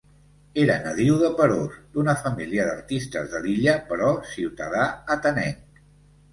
Era nadiu de Paros, d'una família d'artistes de l'illa, però ciutadà atenenc.